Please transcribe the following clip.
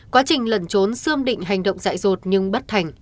quá trình lần trốn sươm định hành động dại rột nhưng bất thành